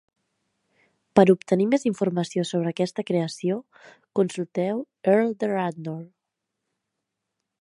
Per obtenir més informació sobre aquesta creació, consulteu Earl de Radnor.